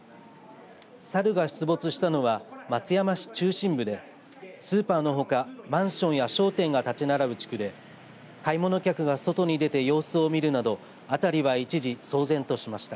サルが出没したのは松山市中心部でスーパーのほかマンションや商店が建ち並ぶ地区で買い物客が外に出て様子を見るなどを辺りは一時騒然としました。